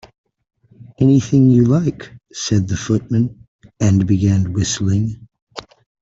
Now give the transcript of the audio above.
‘Anything you like,’ said the Footman, and began whistling.